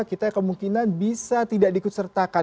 kita kemungkinan bisa tidak diikutsertakan